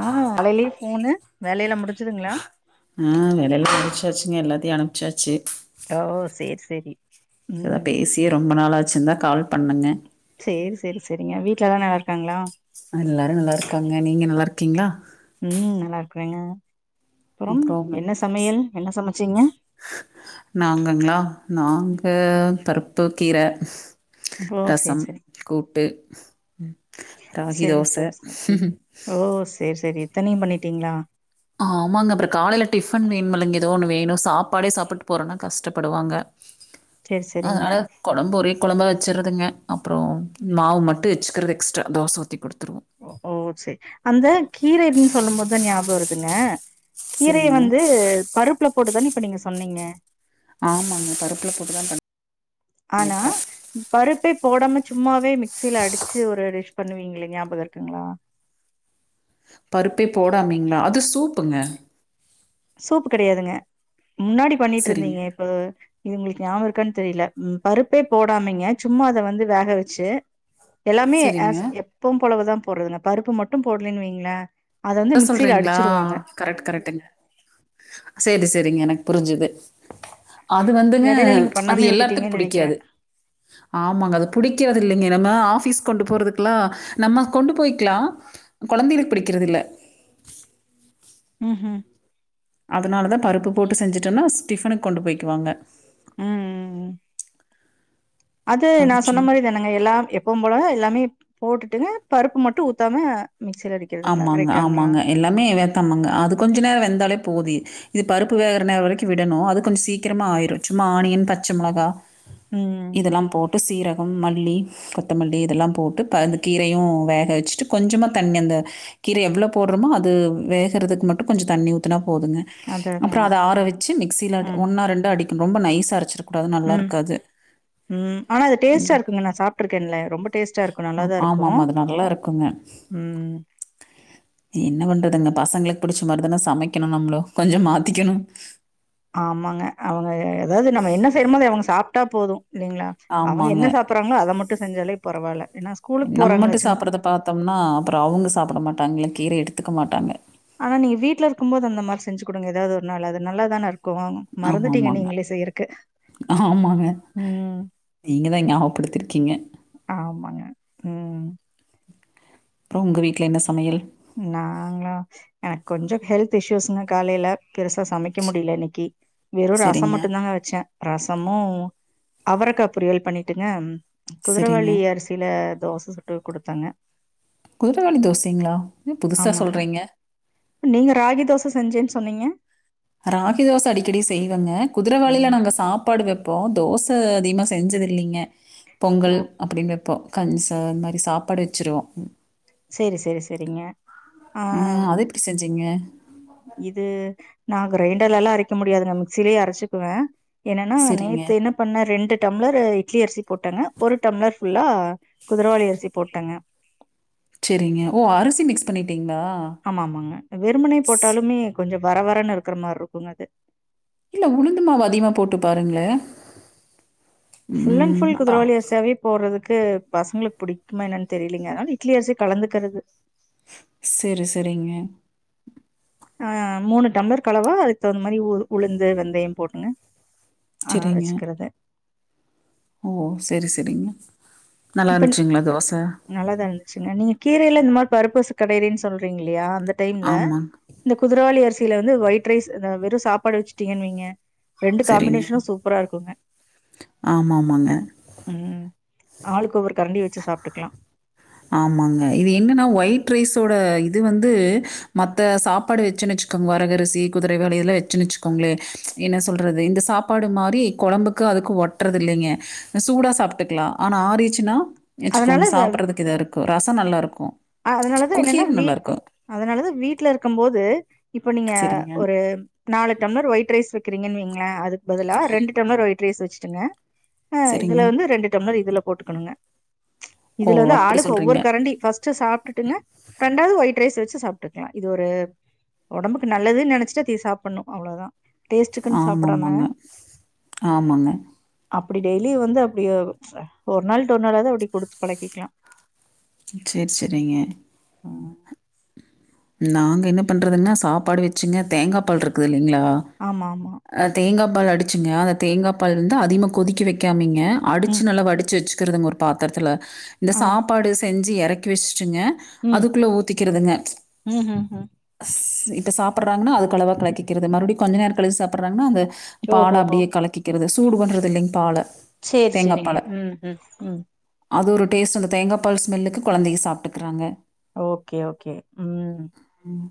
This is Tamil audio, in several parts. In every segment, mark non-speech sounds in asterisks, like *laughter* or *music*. அ காலையிலயே ஃபோனு வேலையெல்லா முடிஞ்சுதுங்களா ம் வேலையெல்லா முடிச்சாச்சுங்க எல்லாத்தையு அனுப்சாச்சு ஓ சேரி சேரி செரி அதா ம் பேசியே ரொம்வயஃஇக நாளாச்சுந்தா கால் பண்ணங்க சேரி சேரி சேரிங்க வீட்ல எல்லா நல்லா இருக்காங்ளா எல்லாரு நல்லா இருக்காங்க நீங்க நல்லா இருக்கீஙளா ம் நல்லா இருக்கிறாங்க அப்றோம் அப்புறம் என்ன சமையல் என்ன சமச்சீங்க நாங்கங்ளா நாங்க பருப்பு கீர ஓ சேரி ரசம் சேரி கூட்டு ராகி சேரி தோச சேரி சேரி ஓ செரி செரி இத்தனையு பண்ணிட்டீங்ளா ஆமாங்க அப்றோ காலையில டிஃபன் வேணுமுல்லங்க ஏதோ ஒன்று வேணோ சாப்பாடே சாப்ட்டு போறோன்னா கஷ்டப்படுவாங்க சேரி சேரிங்க அதனால கொழம்பு ஒரே கொழம்பா வச்சுறதுங்க மாவு மட்டு வச்சுக்கிறது எக்ஸ்ட்ரா தோச ஊத்தி குடுத்துருவோ ஓ செரி அந்த கீரைன்னு சொல்லும் போது தா ஞாபகோ வருதுங்க கீரைய சரிங்க. வந்து பருப்புல போட்டுதான இப்ப நீங்க சொன்னீங்க ஆமாங்க பருப்புல போட்டுதா பண் ஆனா பருப்பே போடாம சும்மாவே மிக்சியில அடிச்சு ஒரு டிஷ் பண்ணுவீங்ளே ஞாபகருக்குங்ளா பருப்பே போடாமீங்ளா அது சூப்புங்க சூப்பு கெடையாதுங்க முன்னாடி சரிங்க பண்ணிட்டுருந்தீங்க இப்ப இது உங்களுக்கு நியாபகோ இருக்கான்னு தெரியல ம் பருப்பே போடாமேங்க சும்மா அத வந்து வேக வச்சு எல்லாமே சரிங்க ஆஸ் எப்பவும் போலவுதா போடுறதுங்க பருப்பு மட்டு போடலைன்னு வைங்ளே அத வந்து மிக்சில அடிச்சிருவாங்க கரெக்ட் கரெக்டுங்க சேரி சேரிங்க எனக் புரிஞ்சுது அது வந்துங்க எடையில நீங்க அது பண்ணாமயே எல்லாத்துக்கு விட்டுட்டீங்கன்னு நெனைக்கிறே புடிக்காது ஆமாங்க அது புடிக்கிறது இல்லௌங்க நம்ம ஆஃபீஸ் கொண்டு போறதுக்குலா நம்ம கொண்டு போய்க்லா கொழந்தைளுக் புடிக்கிறது இல்ல ம் ம் அதனால தா பருப்பு போட்டு செஞ்சுட்டோன்னா ஸ் டிஃபனுக்கு கொண்டு போய்க்வாங்க ம் ம் ம் அது நா சொன்ன மாரி தான் ங்க எல்லாம் எப்பவும் போல எல்லாமே போட்டுட்டு பருப்பு மட்டு ஊத்தாம மிக்சில அடிக் ஆமாங்க ஆமாங்க எல்லாமே வேத்தாமங்க அது கொஞ்சொ நேரோ வெந்தாலே போதி இது பருப்பு வேகற நேரோ வரைக்கு விடணு அது கொஞ்சொ சீக்கிரமா ஆயிரு சும்மா ஆனியன் பச்ச மொளகா ம் இதெல்லாம் போட்டு சீரகம் மல்லி கொத்தமல்லி இதெல்லாம் போட்டு ப அந்த கீரையும் வேக வச்சுட்டு கொஞ்சமா தண்ணி அந்த கீர எவ்ளோ போட்றோமோ அது வேகறதுக்கு மட்டு கொஞ்சொ தண்ணி ஊத்துனா போதுங்க அதா அப்பறோ அதாங்க அத ஆற வச்சு மிக்சில அடி ம் ஒன்னா ரெண்டு அடிக்கன் ரொம்ப நைசா அரைச்சிர ம் ம் ஆனா அது டேஸ்ட்டா இருக்குங்க நா சாப்ட்டுருக்கேன்ல ரொம்ப டேஸ்ட்டா இருக்கு ஆ நல்லாதா இருக்கு ஆமாமா. அது நல்லாருக்குங்க. ம் என்ன பண்றதுங்க பசங்களுக்கு புடிச்ச மாரிதானா சமைக்கணும் நம்ளு கொஞ்சொ மாத்திக்கணு ஆமாங்க அவங்க எ அதாவ்து நம்ம என்ன செய்றமோ அத அவங்க சாப்ட்டா போது இல்லைங்ளா அவங்க ஆமாங்க. என்ன சாப் புறாங்களோ அத மட்டு செஞ்சாலே பரவால்ல என்ன நம் மட்டு சாப்றத பாத்தோம்னா அப்றோ அவங்க சாப்ட மாட்டாங்கல்ல கீர எடுத்துக்க மாட்டாங்க ஆனா நீங்க வீட்ல இருக்கும்போது அந்த மாரி செஞ்சி குடுங்க எதாவ்து ஒரு நாள் அது நல்லாதானே இருக் கும் ஆமாம் மறந்துட்டீங்க ஆமாங்க நீங்களே செய்யருக்கு ஆமாங்க நீங்கதா நியாவப்படுத்திருக்கீங்க ஆமாங்க ம் அப்றோ உங்க வீட்ல என்ன சமையல் நாங்ளா எனக் கொஞ்சொ ஹெல்த் இஷ்யூஸ்ங்க காலைல பெருசா சமைக்க முடில இன்னைக்கு வெறு ரசம் சரிங்க மட்டுந்தாங்க வச்சே ரசமு அவரக்கா பொரியல் பண்ணிட்டுங்க சரிங்க குதிரவாலி அரிசில தோச சுட்டு குடுத்தங்க குதிரவாலி தோசைங்ளா ஆமாங்க நீங்க ராகி தோச செஞ்சேன் சொன்னீங்க ராகி தோச அடிக்கடி செய்வேங்க குதுரவாலில ம் நாங்க சாப்பாடு வைப்போ தோச ச அதிகமா செஞ்சது இல்லைங்க பொங்கல் ஓ அப்டின் வெப்போ கன்ச அது மாரி சாப்பாடு வச்சிருவோ செரி செரி செரிங்க ஆ, ஆன் அது எப்படி செஞ்சீங்க இது நா கிரைண்டர்லல்லா அரைக்க முடியாதுங்க மிக்சிலே அரச்சிக்குவே என்னனா சரிங்க நேத்து என்னப் இப்ப ந ரெண்டு டம்ளர் இட்லி அரிசி போட்டேங்க ஒரு டம்ளர் ஃபுல்லா குதிரவாளி அரிசி போட்டேங்க செரிங்க ஓ அரிசி மிக்ஸ் பண்ணிட்டீங்களா ஆம ஆமாங்க வெறுமுனை போட்டாலுமே கொஞ்சோ வர வரேன்னு இருக்கிற மாறி இருக்கும்ங்க அது இல்ல உளுந்து மாவு அதிகமா போட்டு பாருங்க புல் அன் புல் அதான். குதிரவாளி அரிசியாவே போறதுக்கு பசங்களுக்கு பிடிக்குமா என்னன்னு தெரியலீங்க அதனால இட்லி அரிசி கலந்துக்கிறது செரி செரிங்க அ மூணு டம்ளர் கலவா அதுக்கு தகுந்த மாதிரி உளுந்து வெந்தயம் போடுங்க அ சரிங்க. வச்சுக்கறது ஓ செரி செரிங்க நல்லா இப்ப இருந்துச்சிங்களா தோச நல்லாதா இருந்துச்சுங்க நீங்க கீரையில இந்த மாரி பருப்பு கடையறேன்னு சொல்றீங்க இல்லையா அந்த டைம்ல ஆமாங்க. குதிரவாளி அரிசியில வந்து ஒயிட் ரைஸ் இந்த வெறு சாப்பாடு வச்சுட்டீங்கன்னு வைங்க ரெண்டு சரிங்க. காம்பினேஷனு சூப்பரா இருக்குங்க ஆமாமாங்க. ஆளுக்கு ஒவ்வொரு கரண்டி வச்சு சாப்ட்டுக்கலா ஆமாங்க இது என்னன்னா ஒயிட் ரைஸோட இது வந்து மத்த சாப்பாடு வச்சுன்னச்ச கம் வரகரிசி குதிரைவாலி இதல்லா வச்சுச்வச்கோங்களே என்ன சொல்றது இந்த சாப்பாடு மாதிரி கொழம்புக்கு அதுக்கு ஒட்டுறது இல்லைங்க சூடா சாப்ட்டுக்கலா ஆனா ஆறிச்சுன்னா அதனால வச்சுக்கோங்க சாப்டுறதுக்கு இதா இருக்கு ரசம் நல்லா இருக்கு அதனாலதா என்னன்னா வீட் அதனாலதா வீட்டுல இருக்கு போது இப்ப நீங்க சரிங்க, ஒரு நாலு டம்ளர் ஒயிட் ரைஸ் வைக்கிறீங்கன்னு வைங்களே அதுக்கு பதிலா ரெண்டு டம்ளர் ஒயிட் ரைஸ் வச்சுடுங்க அ சரிங்க. இதுல வந்து ரெண்டு டம்ளர் இ துல போட்டுக்கணுங்க ஓ! இதுல வந்து அப்படி ஆளுக்கு ஒவ்வொரு சொல்றீங்க. கரண்டி ஃபஸ்ட் சாப்ட்டுட்டுங்க ரெண்டாவது ஒயிட் ரைஸ் வச்சு சாப்ட்டுக்கலா இது ஒரு ஒடம்புக்கு நல்லதுன்னு நெனச்சிட்டு தி சாப்டணு அவ்வளோதா டேஸ்ட்டுக்குன்னு சாப்டாம ஆமாமாங்க. ஆமாங்க. அப்டி டெய்லி வந்து அப்டிய ஒரு நாள் வுட்டு ஒரு நாளவது அப்டி குடுத்து பழக்கிக்கலா சேரி சேரிங்க ம்ம் நாங்க என்ன பண்ணறதுனா சாப்பாடு வெச்சுங்க தேங்கா பால் இருக்குது இல்லீங்களா ஆமா தேங்காய் பால் அடிச்சிங்க அந்த தேங்காய் பால் வந்து அதிகமா கொதிக்க வைக்காமீங்க அடிச்சி ம் நல்லா வடிச்சி வச்சுக்கிறதுங்க ஒரு பாத்திரத்தில இந்த ஆ சாப்பாடு செஞ்சு எறக்கி வச்சுட்டுங்க ம் அதுக்குள்ள ஊத்திகிறதுங்க ம் ம்ம் இப்ப சாப்பிடடுறாங்கன்னா அது அளவா கலக்கிகிறது மறுபடி கொஞ்ச நேர கழிச்சி சாப்படுறாங்கன்னா அந்த பால ஓஹோஹோ அப்டியே கலக்கிக்கிறது சூடு பண்றது இல்லைங்க பால சேரி தேங்காய் சேரிங்க பால. ம் ம் ம் அது ஒரு டேஸ்ட் அந்த தேங்காய் பால் ஸ்மெல்லுக்கு கொழந்தைங்க சாப்ட்டுக்குறாங்க ஓகே ஓகே ம் ம்ம்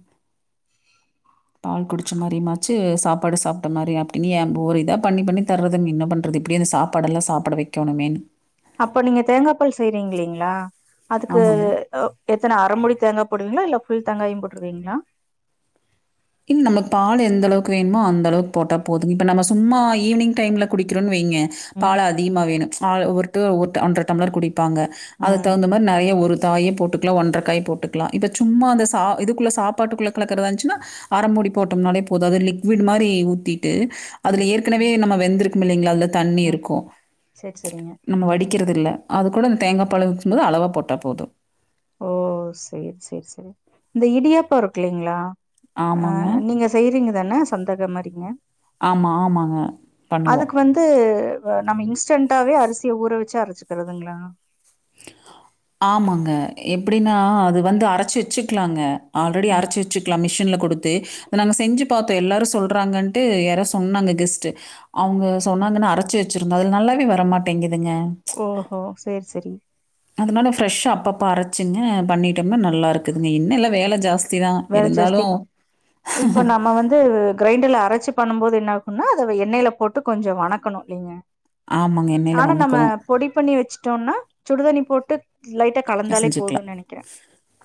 பால் குடிச்ச மாரிமாச்சு சாப்பாடு சாப்ட்ட மாரி அப்டினு ஒரு இதா பண்ணி பண்ணி தர்றதுக்கு என்ன பண்ணண்றது இப்டியே அந்த சாப்ப சாப்பாடல்லா சாப்ட வைக்கணுமேனு அப்ப நீங்க தேங்கா பால் செய்யறீங்க இல்லீங்களா அதுக்கு ஆமாங்க எத்தன அரைமுடி தேங்காய் போடுவீங்களா இல்ல புல் தேங்காயு போட்டுருவிகீங்களா இன்னு நமக்கு பால் எந்த அளவுக்கு வேணுமோ அந்த அளவுக்கு போட்டா போது இப்ப நம்ம சும்மா ஈவ்னிங் டைம்ல குடிக்றோனு வைங்க ம் பால் அதிகமா வேணு பாலு ஒவ்வொருத்தர் ஒவ்வொருத்த ஒன்ற டம்ளர் குடிப்பாங்க அது ம் தகுந்த மாதிரி நெறையா ஒரு *unintelligible* போட் க்கலா ஒன்ற காய் போட்டுக்லா இப்ப சும்மா அந்த சா இதுக்குள்ள சாப்பாட்டுக்குள்ள கலக்குறாதின்ச்சினா அர மூடி போட்டம்னாலே போது அது லிக்விட் மாரி ஊத்திட்டு அதுல ம் ஏற்கனவே நம்ம வெந்துரு மில்லிங்களா அதுல தண்ணி ம் இருக்கு சேரி சேரிங்க நம்ம வடிக்கிறதில்ல அது கூட இந்த தேங்கா பால ஊத்தும்போது அளவா போட்டா போது ஓ சேரி சேரி சேரி இந்த இடியாப்போ இருக்குல்லிங்களா ஆ ஆமாங்க. நீங்க செய்யறீங்க தானே சொந்தக மாரிங்க ஆமா ஆமாங்க பண்ணுவோ இது நம்ம இன்ஸ்டன்டாவே அரிசிய ஊற வச்சு அரச்சுக்கறதுங்களா ஆமாங்க எப்டின்னா அது வந்து அரைச்சு வச்சுக்கலாங்க ஆல்ரெடி ம் அரைச்சி வச்சிக்லா மிஷின்ல குடுத்து நாங்க செஞ்சி பாத்தோ எல்லாரு சொல்கிறாங்கன்ட்டு யாரா சொன்னாங்க கெஸ்ட்டு அவங்க சொன்னாங்கன்னு அரைச்சு வச்சிருந்தோ அதுல நல்லாவே வரமாட்டேங்குதுங்க ஓஹோ சேரி சேரி அந்த மாதிரி ஃப்ரெஷ்ஷா அப்பப்ப அரைச்சிங்க பண்ணிட்டோம்னா நல்லா இருக்குதுங்க என்னெல்லா வேல ஜாஸ்தி தா வேல இருந்தாலு ஜாஸ்தி இப்ப நம்ம வந்து கிரைண்டர்ல அரைச்சி பண்ணும் போது என்ன ஆகும்னா அத வெ எண்ணெயில போட்டு கொஞ்சோ வணக்கணு இல்லீங்க ஆமாங்க. எண்ணெயில ஆனா நம்ம வணக்கணும். பொடிப்பண்ணி வச்சுட்டோனா சுடுதண்ணி போட்டு லைட்டா ஆ கலந்தாலே செஞ்சிக்கலா போதும்னு நெனைக்கிறே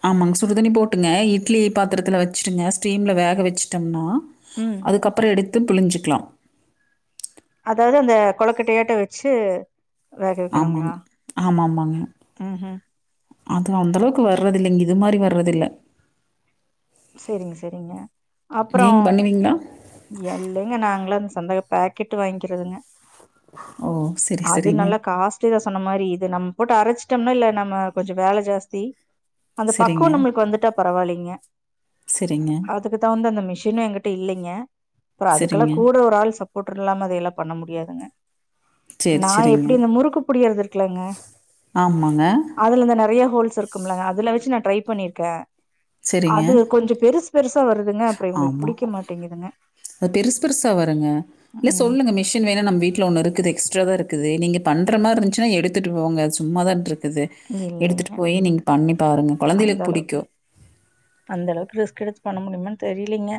ஆமாங்க சுடுதண்ணி போட்டுங்க இட்லி பாத்திரத்தில வச்சிட்டுங்க ஸ்டீமில் வேக வச்சுட்டம்னா ம் அதுக்கப்புறோ எடுத்து புழிஞ்சிக்லா அதாது அந்த கொழக்கட்டையாட்டோ வெச்சு ஆமாங்க ஆமாமாங்க ம் ம் அது அந்தளவுக்கு வர்றது இல்லங்க இது மாரி வர்றது இல்ல சரிங்க சரிங்க அப்றோ நீங்க பண்ணுவீங்களா? எல்லைங்க நாங்களு அந்த சந்தக பாக்கெட்டு வாங்கிறதுங்க ஓ! சரி, அது சரிங்க. நல்லா காஸ் *unintelligible* சொன்னமாரி இது நம்ம போட்டு அரைச்சிட்டம்னா இல்ல நம்ம கொஞ்சோ வேல ஜாஸ்தி அந்த சரிங்க, பக்குவ நம்ளுக்கு வந்துட்டா பரவாயில்லிங்க சரிங்க, அதுக்கு தா வந்து அந்த மிஷினு என்ங்கிட்ட இல்லைங்க அப்றோ அதுக்கெல்லா சரிங்க. கூட ஒரு ஆள் சப் போட்டுருலாம் அதையெல்லா பண்ண முடியாதுங்க சரி, நா சரிங்க. எப்டி இந்த முறுக்கு புழியற்து இருக்குலங்க ஆமாங்க. அதுல அந்த நெறையா ஹோல்ஸ் இருக்கும்லங்க அதுல வச்சு நா ட்ரை பண்ணியிருக்கே சரிங்க. அது கொஞ்சோ பெருசு பெருசா வருதுங்க அப்புறோ இவுங்க்ளுக்கு ஆமா. புடிக்க மாட்டேங்குதுங்க அது பெருசு பெருசா வருங்க இல்ல ம் சொல்லுங்க மெஷின் வேணா நம்ம வீட்டுல ஒன்னு இருக் குது எக்ஸ்ட்ராதா இருக்குது நீங்க பண்ற மாரி இருந்துச்சின்னா எடுத்துட்டு போங்க அது சும்மாதான்ட்ருக்குது எடுத்துட்டு இல்லைங்க போய் நீங்க பண்ணி பாருங்க அந்த கொழந்தைகளுக்கு அளவு புடிக்கு அந்த அளவுக்கு ரிஸ்க் எடுத்து பண்ண முடியுமானு தெரியலீங்க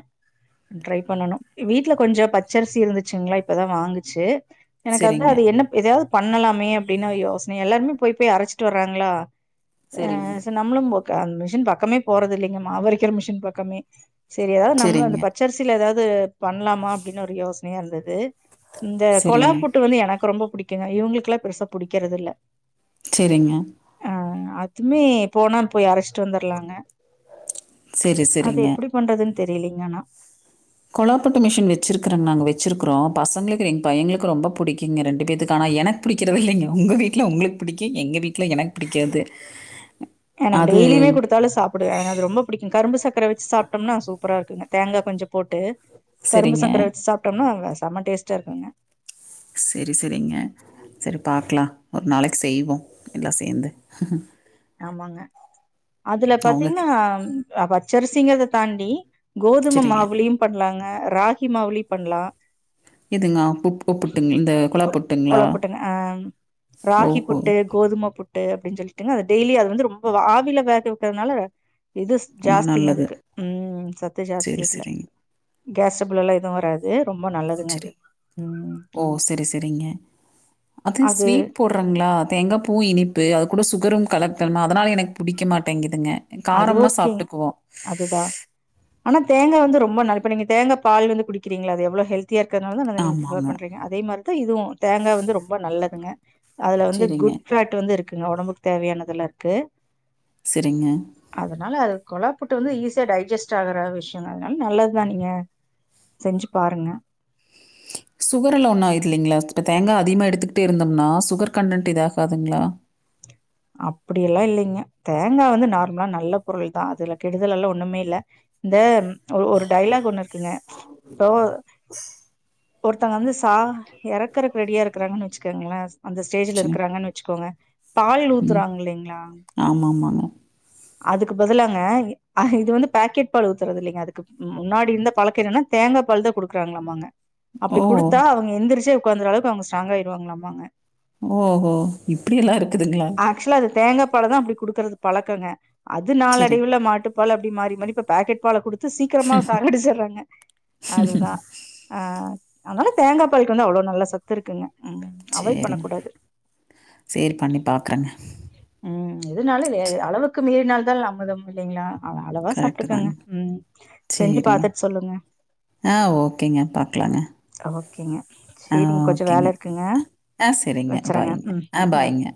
ட்ரை பண்ணனு வீட்டுல கொஞ்சோ பச்சரிசி இருந்துச்சுங்களா இப்பதா வாங்குச்சு எனக்கு வந்து சரிங்க, அது என்ன எதாது பண்ணலாமே அப்டின்னு யோசனே எல்லாருமே பெய் பெய் அரைச்சுட்டு வராங்க்ளா ஆ சரிங்க, ச நம்மளு போக அந்த மிஷின் பக்கமே போறது இல்லங்க மாவரிக்கிற மிஷின் பக்கமே சரி எதாது நம்ளு அந்த சரிங்க, பச்சரிசியில ஏதாது பண்லாமா அப்டின்னு ஒரு யோசனையா இருந்துது இந்த கொழா சரிங்க, பூட்டு வந்து எனக்கு ரொம்ப புடிக்குங்க இவங்களுக்கெல்லா பெருசா புடிக்றது இல்ல செரிங்க ஆ அதுமே போனான் போய் அரச்சிட் வந்துர்லாங்க சரி, அது சரிங்க. எப்புடி பண்றதுன் தெரிய்லீங்கனா கொழாப்புட்டு மிஷின் வெச்சுருக்குற நாங்க வெச்சுருக்குறோ பசங்ளுக்கு எங் பையங்ளுக்கு ரொம்ப புடிக்குங்க ரெண்டு பேத்துக்கு ஆனா எனக் புடிக்கிறத் இல்லைங்கோ உங்க வீட்ல உங்களுக் புடிக்கு எங்க வீட்ல எனக் புடிக்காது எனக் டெய்லியுமே குடுத்தாலு சாப்புடுவ எனக் அது ரொம்ப புடிக்கு கரும்பு சக்கர வச்சு சாப்ட்டம்னா சூப்பரா இருக்குங்க தேங்கா கொஞ்ச போட்டு கரும்பு சரிங்க சக்கர வச்சு சாப் டோனா அவ சம டேஸ்ட்டா இருக்குங்க செரி செரிங்க சரி பாக்லா ஒரு நாளைக் செய்வோ எல்லா சேந்து ஆமாங்க அதுல அவங்க பாத்தீங் னா பச்சரிசிங்கிற்த தாண்டி கோதுமை சரிங்க மாவுலியு பண்லாங்க ராகி மாவு லியு பண்லா எதுங்கா ஃபுக் ஒ புட்டுங் இந்த கொழா புட்டுங்ளா கொழ புட்டுங்க ஆ ராகி புட்டு கோதுமை புட் டு அப்டின் சொல்லிட்டீங்க அ டெய்லி அத வந்து ரொம்ப ஆவில வேக விட்டத்னால இதுஸ் ரொம்ப ஜாஸ்திங்க நல்லது அதுக்கு ம் சத்து ஜாஸ்தி சரி அதுல சரிங்க கேஸ் ஸ்புல் எல்லா எது வராது ரொம்ப நல்லது செரி ஓ செரி செரிங்க அது ஸ்வீட் போற்ற ட்றங்ளா தேங்கா பூ இனிப்பு அது கூட சுகரு கலக்குறமா அதனால் எனக் புடிக்க மாட்டேங்கிதுங்க அது காரம்னா ஓகேங்க சாப்ட்டுக்குவோ அதுதா ஆனா தேங்கா வந்து ரொம்ப நல் இப்ப நீங்க தேங்கா பால் வந்து குடிக்கீறிங்ளா அது எவ்ளோ ஹெல்த் தியா இருக்கற்துனால வந்து அத நீங்க ப்ரிஃவேர் ஆமாங்க. பண்றீங்க அதேமாரி தா இதுவு தேங்கா வந்து ரொம்ப நல்லதுங்க அதுல வந்து சரிங்க, குட் பேட் வந்து இருக்குங்க ஒடம்புக்கு தேவையானதுல்லா இருக்கு செரிங்க அதனால அது கொழா புட்டு வந்து ஈஸியா டைஜஸ்ட் ஆகுற விஷ்யங்க அதுனால் நல்லத்தா நீங்க செஞ்சு பாருங்க சுகரல்லாம்‌ ஒன்னும் ஆயிலிங்களா இப்போ தேங்கா அதிகமாக எடுத்துக்கிட்டே இருந்தம்னா சுகர் கன்டென் இதாகாதுங்ளா அப்புடி எல்லா இல்லிங்க தேங்கா வந்து நார்மலா நல்ல பொருள் தா அதுல கெடுதல் எல்லா ஒன்னுமே இல்ல இந்த ஒரு டைலாக் ஒன்னு இருக்குங்க போ ஒர்த்தங்க வந்து சா எறக்குறக்கு ரெடியா இருக்குறாங்கன்னு வெச்சுக்கோங்ளே அந்த ஸ்டேஜில சரி. இருக்குறாங்கன் வெச்சுக்கோங்க பால் ம். ஊத்துறாங்க இல்லைங்ளா ஆமாமாங்க. அதுக்கு பதிலாங்க இது வந்து பாக்கெட் பால் ஊத்துறது இல்லைங்க அதுக்கு முன்னாடி இருந்த பழக்கு என்னனா தேங்கா பால் தா குடுக்றாங்ளாமா அங்க அப்டி ஓ! குடுத்தா அவுங்க எந்துரிச்சே உக்காந்துற அளவுக்கு அவுங்க ஸ்ட்ராங் ஆயிருவாங்ளாமங்க ஓஹோ இப்டி எல்லா இருக்குதுங்ளா ஆக்சுவலா அது தேங்கா பால் தா அப்டி குடுக்கிறது பழக்கங்க அது சரிங்க, நாலடைவுள மாட்டு பால அப்டி மாரி மாரி இப்ப பாக்கெட் பால குடுத்து சீக்கிரமா சாகடிச்சிறாங்க அதுதா ஆ அத்னால தேங்கா பால்க்கு வந்து அவ்ளோ நல்ல சத்துருக்குங்க சேரி சேரி பண்ணி பாக்குறங்க ம் எதுனாலு லே அளவுக்கு மீறினால்தல் அமிர்தம் இல்லைங்ளா அவ அளவா கரெக்ட்டு சாப்ட்டுக்கங்க தாங்க. ம் செஞ்சு பாத்துட் சொல்லுங்க அ ஓகேங்க பாக்லாங்க ஓகேங்க சேரிங்க கொஞ்ச வேலருக்குங்க அ செரிங்க பாய்ங்க அ பாய்ங்க